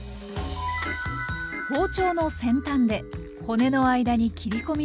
包丁の先端で骨の間に切り込みを入れます。